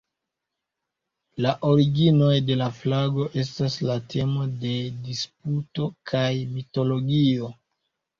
La originoj de la flago estas la temo de disputo kaj mitologio.